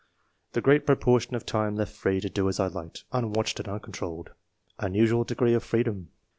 — "The great proportion of time left free to do as I liked, unwatched and uncontrolled.*' —" Unusual degree of freedom."